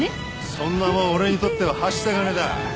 そんなもん俺にとってははした金だ。